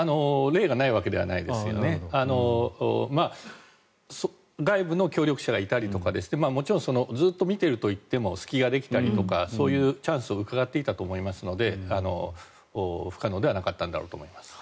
例がないわけではないですが外部の協力者がいたりとかもちろんずっと見ているといっても隙ができたりとかそういうチャンスをうかがっていたと思いますので不可能ではなかったんだろうと思います。